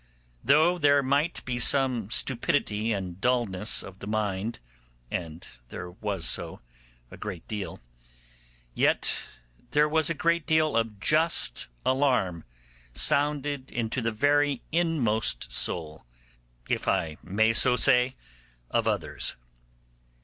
Though there might be some stupidity and dulness of the mind (and there was so, a great deal), yet there was a great deal of just alarm sounded into the very inmost soul, if I may so say, of others.